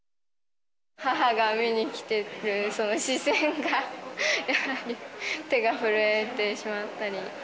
母が見に来てくれる、その視線が、やっぱり手が震えてしまったり。